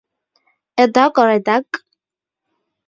A dog or a duck?